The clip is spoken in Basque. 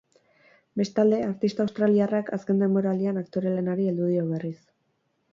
Bestalde, artista australiarrak azken denboraldian aktore lanari heldu dio berriz.